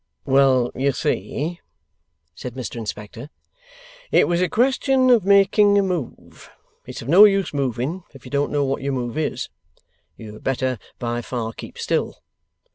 'Well you see,' said Mr Inspector, 'it was a question of making a move. It's of no use moving if you don't know what your move is. You had better by far keep still.